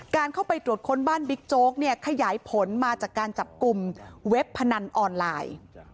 การเข้าไปตรวจค้นบ้านบิ๊กโจ๊กเนี่ยขยายผลมาจากการจับกลุ่มเว็บพนันออนไลน์